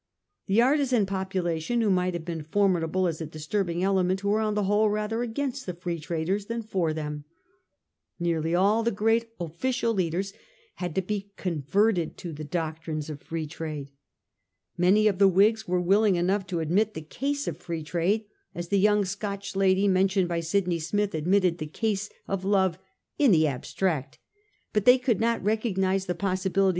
The artisan population who might have been formidable as a disturbing element were on the whole rather against the Free Traders than for them. Nearly all the great 350 A HISTORY OP OUR OWN TIMES. OH. XIV. official leaders had to be converted to the doctrines of Free Trade. Many of the Whigs were willing enough to admit the case of Free Trade as the young Scotch lady mentioned by Sydney Smith admitted the case of love ' in the abstract ;' but they could not recognise the possibility